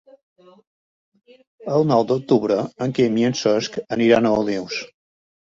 El nou d'octubre en Quim i en Cesc aniran a Olius.